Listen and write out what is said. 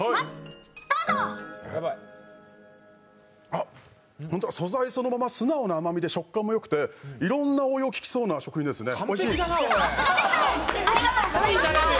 あ、素材そのまま、素直な甘みで食感もよくて、いろんな応用利きそうな食品ですね。